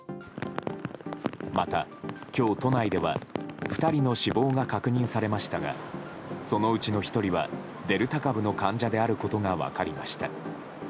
また、今日都内では２人の死亡が確認されましたがそのうちの１人は、デルタ株の患者であることが分かりました。